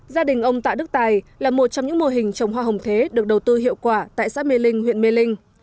gia đình ông tạ đức tài là một trong những mô hình trồng hoa hồng thế được đầu tư hiệu quả tại xã mê linh huyện mê linh